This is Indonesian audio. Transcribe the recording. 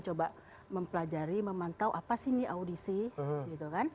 saya coba mempelajari memantau apa sih nih audisi